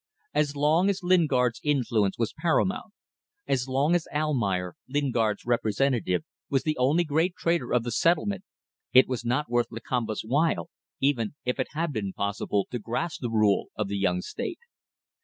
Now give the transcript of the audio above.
As long as Lingard's influence was paramount as long as Almayer, Lingard's representative, was the only great trader of the settlement, it was not worth Lakamba's while even if it had been possible to grasp the rule of the young state.